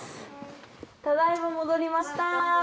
ただ今戻りました。